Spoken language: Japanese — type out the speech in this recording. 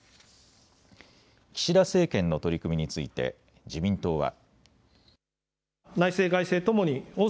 岸田政権の取り組みについて自民党は。